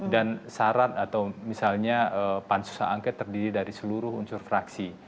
syarat atau misalnya pansus hak angket terdiri dari seluruh unsur fraksi